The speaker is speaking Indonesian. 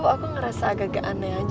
aku ngerasa agak agak aneh aja